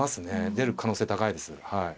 出る可能性高いですはい。